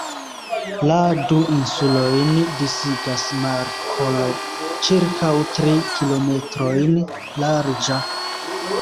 La du insulojn disigas markolo ĉirkaŭ tri kilometrojn larĝa.